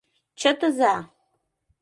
Чытыза!..